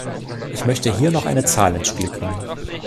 Ich möchte hier noch eine Zahl ins Spiel bringen.